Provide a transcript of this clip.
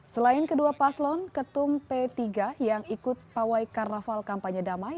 selain kedua paslon ketum p tiga yang ikut pawai karnaval kampanye damai